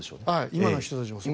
今の人たちもそう。